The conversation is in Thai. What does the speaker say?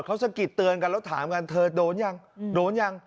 เขาสะกิดเตือนกันแล้วถามกันเธอโดนยังโดนยัง